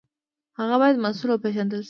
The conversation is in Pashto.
هغه باید مسوول وپېژندل شي.